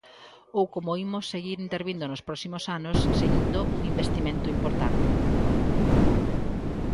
Ou como imos seguir intervindo nos próximos anos, seguindo un investimento importante.